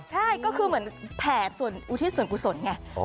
ใช่ก็คือเหมือนแผ่ส่วนอุทิศส่วนกุศลไง